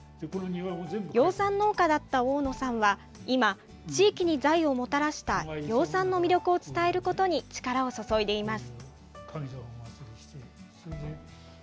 養蚕農家だった大野さんは今地域に財をもたらした養蚕の魅力を伝えることに力を注いでいます。